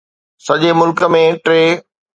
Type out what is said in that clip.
سڄي ملڪ ۾ ٽي